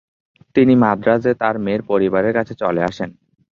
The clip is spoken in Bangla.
তিনি মাদ্রাজে তার মেয়ের পরিবারের কাছে চলে আসেন।